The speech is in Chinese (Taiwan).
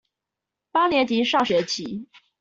八年級上學期